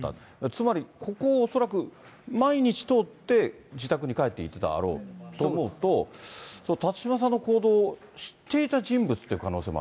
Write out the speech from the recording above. つまり、ここを恐らく毎日通って、自宅に帰っていってたであろうと思うと、その辰島さんの行動を知っていた人物という可能性も。